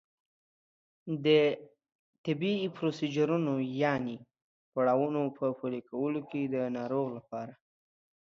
د طبي پروسیجرونو یانې پړاوونو په پلي کولو کې د ناروغ لپاره